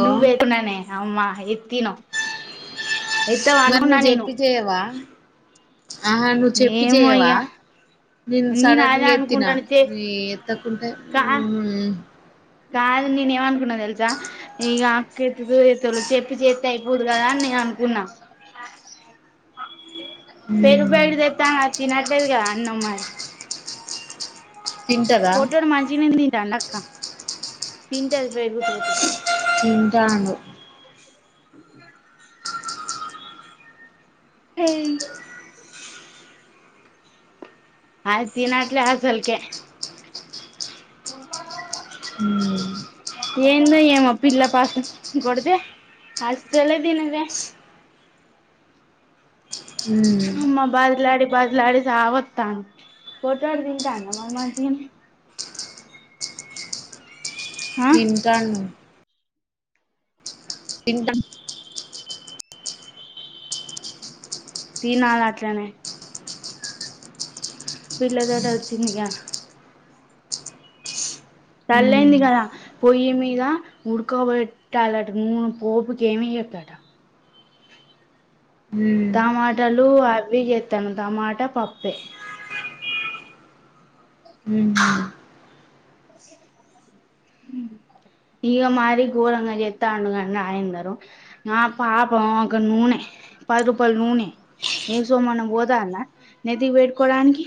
లో నువ్వే వేస్తున్నావే అమ్మ ఇది తిను మరి నువ్వు చెప్పి చెయ్యవా ఆహా నువ్వు చెప్పి ఏమో చెయవా ఇగ నేను సడన్ అదే గా ఎత్తిన అనుకుంటాను చే నీ ఎత్తకుంటే హు కా కాదు నేను ఏమనుకున్నా తెలుసా ఇగ అక్క ఎత్తుతదో ఎత్తదో చెప్పి చేస్తే అయిపోదు కదా అ అనుకున్నా పెరుగు మ్మ్ ప్యాకెట్ తెత్తా అని వచ్చిన తినట్లేదుగా అన్నం మరి తింటదా పొట్టోడు మంచిగనే తింటాండా అక్క తింటాది పెరుగు తోటి తింటాండు పోయిండు అది తినట్లే అసలుకే మ్మ్ [unintelligible] ఏందో ఏమో పిల్ల పాస్ కొడితే అసలే తినదే హు అమ్మ బతిలాడి బతిలాడి సావత్తంది పొట్టోడు తింటాండా మరి మంచిగానే ఆ తింటాండు తింటా తినాలి అట్లనే పిల్ల తోటే వచ్చిందిగా తల్లి మ్మ్ అయ్యిందిగా కదా పొయ్యిమీద ఉడుక పెట్టాలంట నూనే పోపు కేమి ఎయ్యోదట మ్మ్ టమాటాలు అవి చేస్తాను టమాటా పప్పే మ్మ్ హు ఇగ మరి గోరంగా చేతండు గా నాగేందర్ నా పాపం ఒక నూనె పది రూపాయలు నూనె ఏం సోమన్న పోతుందా నెతికి పెట్టుకోడానికి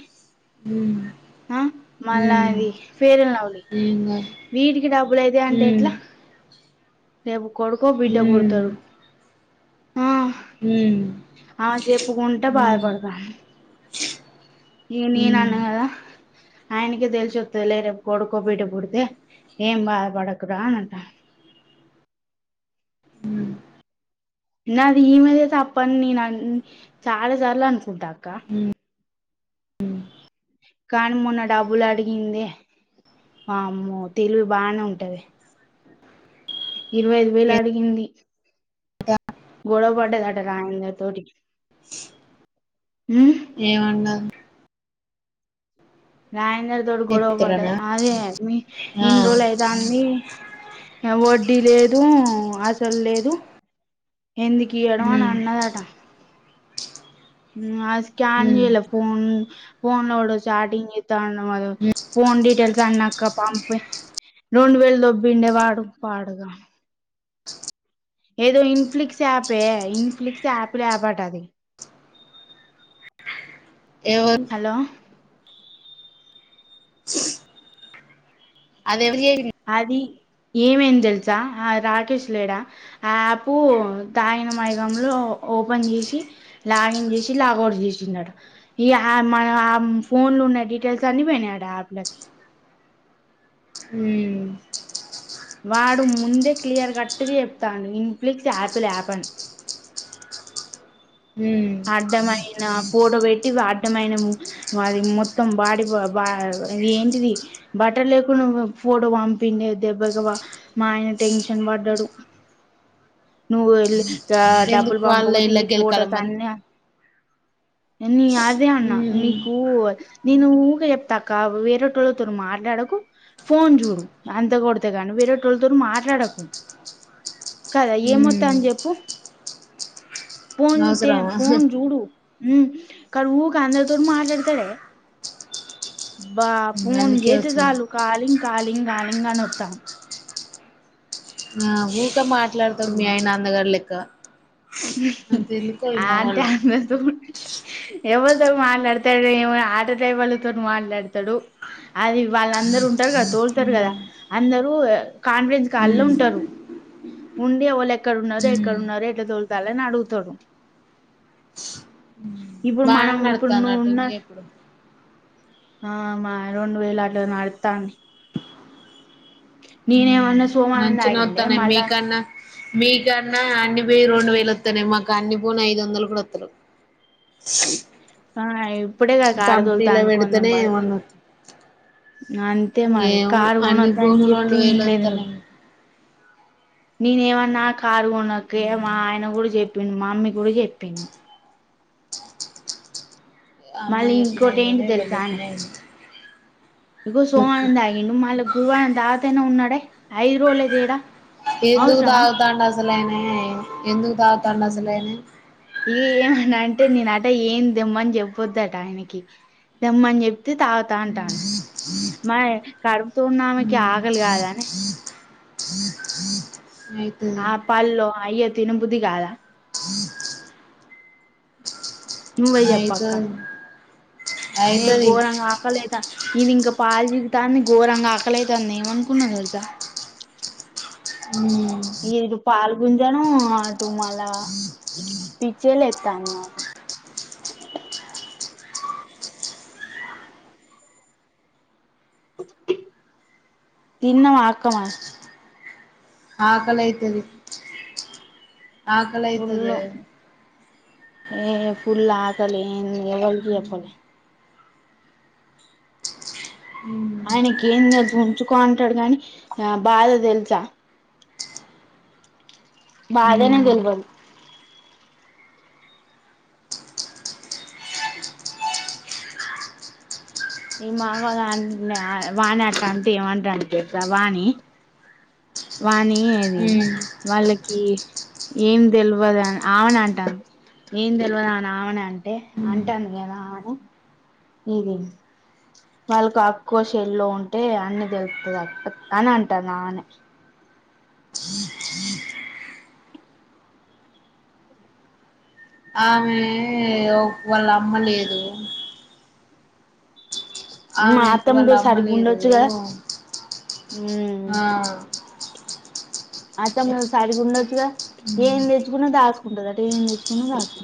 మ్మ్ మ్మ్ ఆ మళ్ళా అది పేరం లవ్లీ ఏం కాదు వీటికి డబ్బు ఇప్పుడు తే అంటే మ్మ్ ఎట్లా రేపు కొడుకో బిడ్డ మ్మ్ పుడతడు ఆ హు ఆమె చెప్పుకుంటే బాధపడతాంది ఈగ నేనన్నగా ఆయనక తెలిసి వత్తాది లే రేపు కొడుకో బిడ్డ పుడితే ఏం బాధ పడకురా అని అంటా మ్మ్ నాది ఈమదే తప్పని నేను చాలా చార్లు అనుకుంటా అక్క మ్మ్ కానీ మొన్న డబ్బులు అడిగిందే వామ్మో తెలివి బానే ఉంటదే ఇరవై ఐదు వేయిలు అడిగింది గడ పట్టే దట్ట రాన తటి ఏమండదు రాయందారి తోడు గొడవ పడ ఎత్తుతున్ననా అదే మీ ఆ ఇన్ని రోజులు ఐదాంది వ వడి లేదు అసలు లేదు ఎందుకు ఇయడం అని మ్మ్ అన్నదట ఆ స్క్యాన్ ఉమ్ చేల ఫోన్ ఫోన్ లో చార్టింగ్ చే ఫోన్ డీటెయిల్స్ అన్నా ఇక్క పంపి రెండు వేలు దబ్బిండే వాడు పాడుగా ఏదో ఇన్ఫ్లిక్స్ యాపే ఇన్ఫ్లిక్స్ యాప్ యాప్ట అది ఎవరు హలో అది ఎవరు చేసిల్లు అది ఏమేం తెలుసా ఆ రాకేష్ లేడా ఆ ఆపు తాగిన మైగంలో ఓపెన్ చేసి లాన్ చేసి లాట్ చేసి ఫో లో డిటల్స్నిపో అలకి హ వాడు ముందే క్లియర్ కట్గా చెప్తాను ఇన్ఫ్లిక్స్ యాపిల్ యాప్ అన్ ఉమ్ అడ్డమైన ఫోడో పెట్టి అడ్డమైన అది మొత్తం బాడి బా అది ఏంటిది బట్టర్ లేకుడావ్ ఫోటో పంపిండే దెబ్బగా మా ఆయన టెన్షన్ పడ్డాడు నువ్వు వె డబ్బులు ఎందుకు వాళ్ళ పంపకతే ఇళ్ళ ఈ గెలకాల ఫొటోస్ మరి అన్ని నీ అదే అన్న ఉమ్ నీకు నేను ఊక చెప్తాక వేరేటోళ్ళతో మార్ మాట్లాడకు ఫోన్ చూడు అంత కొడితే గాను వేరే టోళ్ళతోోరు మాట్లాడకు కదా ఏమొతా అని ఉమ్ చెప్పు ఫోన్ త అవసరమా ఫోన్ జూడూ ఉ కడుఊ కాంంద్ర దోడు మాట్లాడతాడ బా ఫోన్ అందుకే చేతే వచ్చింది చాలు కాలింగ్ కాాలలింగ కాాలలింగంగా నతా ఆ ఊకా మాట్లాడతాారు మీ ఉమ్ ఆయ నాన్నగారు లెక్క అంత ఎందుకో ఈ ఆ అంటే అ మొగోళ్ళకు ఎవరితో మాట్లాడతాడు ఏమ ఆటో డై వాళ్లతో మాట్లాడతాడు అది వాళ్ళు అందరుూ ఉంటారు కదా తోలుతారు కదా అందరుూ కాన్ఫిడెన్స్ కాళ్ళు ఉమ్ ఉంటారు ఉండడి ఎ వాళ ఎక్కడ ఉన్నారు ఎక్కడ ఉమ్ ఉన్నారు ఎ ద ళ నడుగుతడు ఇప్పుడు బానే మనం ఇప్పుడు ను ఉన్న నడుత్తన్నట్టుందిగా ఇప్పుడు ఆ మా రెండు వేలుంట అతా ననే అన్న మంచి నొతానే మీకన్నా మీ కన్నా అన్ని పోయి రెండు వేలు వస్తనే మాకు అన్ని పోను ఐదు వందలు కూడా వస్తారు స్ ఆ ఇప్పుడే గా కారు తోలుతుండాడు కొంచెం పెడితేనే బడితె ఏమన్నా అంతే మరి ఏమో కారు అన్ని కొనద్దని భూములు రెండు వేలు చెప్పినలేదు నువ్వు వత్తన్నాయి నేనేమన్నా కారు గొనకె మా ఆయన కూడా చెప్పిండు మా అమ్మీ కూడా చెప్పింది మళ్ళీ అమ్మయి ఇంకోటి ఎప్పుడైన ఏంటి దో వెళ్ళ తెలుసానే ఎపోినయింది ఇగో సోమవారం తాగిండు మళ్ళ గురువారం తాగుతునె ఉన్నాడే ఐదు రోజలే తేడా ఎందుకు అవసరమా తాగుతాండసలైనా ఎందుకు తాగుతాండసలైనా ఇక ఏమన్నా అంటే నేన అట ఏం దెమ్మని చెప్పొద్దట ఆయనకి దెమ్మని చెప్తే తాగుతా అంటాను మాయ్ కడుపుతున్నమెకి ఉమ్ ఆకలి కాదని అయితది అయ్య తిన బుద్ది కాల నువ్వై చెప్పక్క అయితది ఏ అయితది ఘోరంగా ఆకలేద ఇది ఇంక పాలు పీగుత్తాన్ని ఘోరంగ ఆకలై తాంది ఏమ అనుకున్నా తెలుసా ఉమ్ ఇగేడు పాల్గొంజను అటూ మళ్ళ పచ్చె లేత్తాంది నాకు తిన్నవా అక్క న ఆకలి అయితది ఆకలి ఫుల్ అయితుందె ఏ ఫుల్ ఆకలి ఏం ఎవరికి జెప్పలే ఉమ్ ఆయనికి ఏం తెలుసు ఉంచుకో అంటాడు గాని ఆ బాధ తెలుసా ఉమ్ బాధనే తెలవద్ ఈ మాగళ అంటినె వాణి అట్ట అంటె ఏమంటడు కే వాణి వాణీ అది ఉమ్ వాళ్ళకి ఏం తెల్వదని అవనె అంటారు ఏం తెల్వదు ఆని ఆమెనే అంటే ఉమ్ అంటే అంది కదా ఆమెనే ఇది వాళ్ళకు అక్కొ చెల్ల్లో ఉంటే అన్ని తెరుత్తుది అని అంటది ఆమెనే ఆమె ఒక వాళ్ళ అమ్మ లేదు మా ఆమెకు అత్తమ్ వాళ్ళ తో అమ్మ సరిగ్గ లేదు ఉండొచ్చు గదా ఉమ్ ఆ అతను సరిగ్గ గుండోచ్చుగా ఉమ్ ఏం తెచ్చుకున్న దాస్ ఉండదటి ఏం తెచ్చుకున్నా దాసు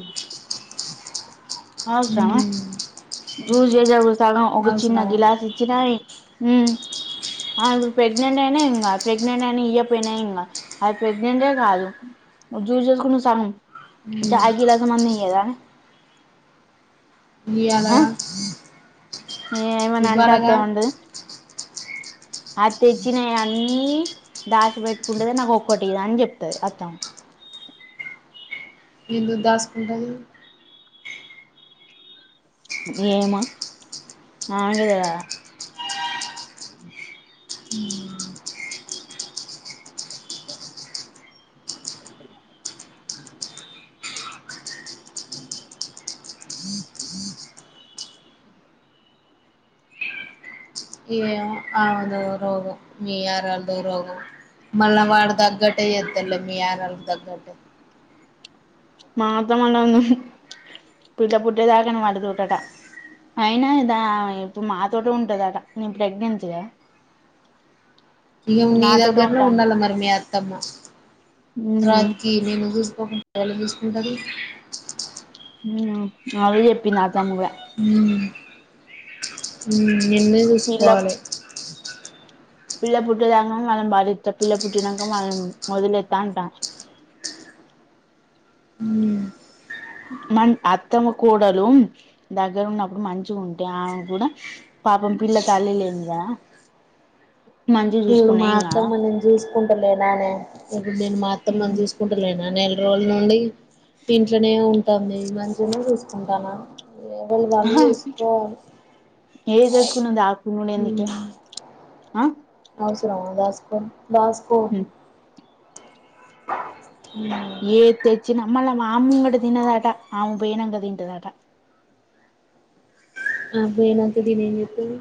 హుమ్ జ్యూస్ చేస ఒకసగం ఒక చిన్న గిలాస్ ఇచ్చిన ఉమ్ అ ఇ ప్రెగ్నెంట్ అయిన ఏం కాదు ప్రెగ్నెంట్ అయినా ఇయ్యకపోయినా ఏం కాదు అది ప్రెగ్నెంటె కాదు జు జూస్ కొని సం ఉమ్ చా గిలాస మయిన ఈయ దనె ఇయ్యలగా ఏ ఏమన అంటే అత్త ఉండదు అ తెచ్చినయన్ని దాసి పెట్టుకుంటేది నాకు ఒక్కటియ్యదని చెప్తది అత్తమ్మ ఎందుక్ దాసుకుంటది ఏమో ఆమెకె తెలవాలి అ ఏవో ఆమెదె రోగం మీ ఆరోల్దం రోగం మళ్ళ వాడ తగ్గట్టే చేద్దర్లే మీ ఆయన వాళ్ళ తగ్గట్టే మాతొ మళ్ళ ఉండ బిడ్డ పుట్టేదాకను వాళ్ళ తోటట అయినా ఇదా ఇప్పుడు మాతోటె ఉంటదట నేను ప్రెగ్నెన్సీ కదా ఇగా మీ నాతోటే దగ్గర్నే ఉంటాంది ఉండాలి మరి మీ అత్తమ్మ. ఉమ్ లాస్ట్కీ నేను చూసుకోకుంటె ఎవరు చూసుకుంటరు. ఉ అదే చెప్పిన్ది అత్తమ్మ కూడ ఉమ్ నిన్ను పిల్ల చూసుకోవాలే. పిల్ల పుట్టేదాక మన బాధ్యత పిల్ల పుట్టినాక మనది ఒదిలేత్త అంట. ఉమ్ మన్ అత్తమ కూడలు దగ్గర ఉన్నప్పుడు మంచి ఉంటే ఆమెకు కూడ పాపం పిల్ల తల్లిలెంది గా. ఇప్పుడు మా అత్తమ్మ నేను చూసుకుంటలేదానే ఇప్పుడు నేను మా అత్తమ్మని నేను ఉమ్ చూసుకుంటలేనానే. రోజు నుండి ఇంట్లనే ఉంటం మంచినే చూసుకుంటాన. ఎవల్ది వాళ్ళు ఆహా చేసుకోవాలె. ఏది తెచ్చుకున్న దచ్క్పో నీకేం ఆ అవసరమా దాస్కోన్ దాస్కో ఏది తెచ్చిన మళ్ళ మా ముంగట తినదట ఆమె పోయినంక తింటదటా. ఆమె పోయినంక తిని ఏం చెట్టావు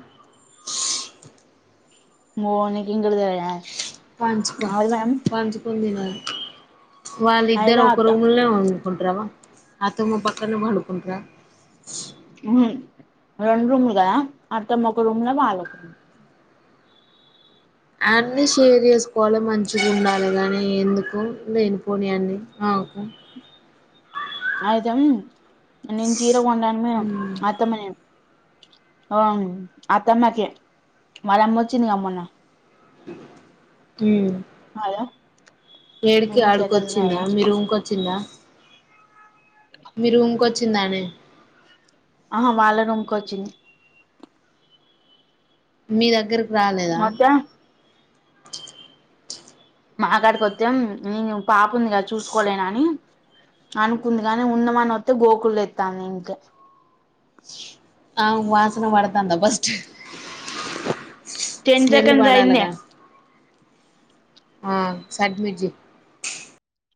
ఓ నిక్ ఒక్కొటి తెల్వదు గానే. పంచుకో పంచుకొని తినాలి వాళ్ళిద్దరు అయితే ఒక అత్త రూముల్నే ఉంట. కుంట్రావా అత్తమ్మ పక్కనే పడుకుంటర. ఉమ్ రెండు రూమ్లు కదా అత్తమ్మ ఒక రూమ్ ల మావాళ్ళు ఒక్క రూమ్ ల. అన్ని షేర్ చేసుకోవాలే మంచిగా ఉండాలి గాని ఎందుకు లేనిపోని అన్ని. ఓకే అయితే నేను చీర కొండానికి ఉమ్ అత్తమ్మ అ అత్తమ్మ కే వాళ్ళ అమ్మ ఒచ్చింది క మొన్న. ఉమ్ హలో ఏడికి ఎన్ని సైకిల్స్ ఆడికొచ్చిందా ఉన్నాయే మీ రూమ్ కొచ్. చింద మీ రూమ్కోచ్చిందనే. ఆహా వాళ్ళ రూమ్కి వచ్చింది. మీ దగ్గరకు రాలేదా. మొత్తం మకడికి ఒత్తె నేను పాపం ఇగ చూసుకోలేనని. అనుకుంది గాని ఉన్నామని వస్తే బోకులు తెతంది ఏంటే ఆ వాసన పడతంద బస్. టెన్ స్మెల్ సెకండ్స్ అయిందే పడాలాగా. ఆ సబ్మిట్ చెయ్.